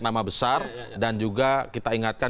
nama besar dan juga kita ingatkan